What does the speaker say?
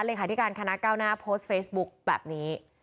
เลยค่ะที่การคณะเก้าหน้าโพสต์เฟซบุ๊คแบบนี้